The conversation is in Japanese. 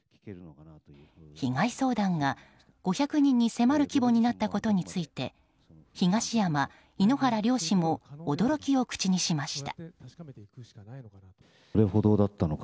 被害相談が５００人に迫る規模になったことについて東山、井ノ原両氏も驚きを口にしました。